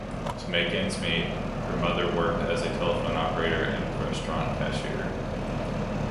To make ends meet, her mother worked as a telephone operator and restaurant cashier.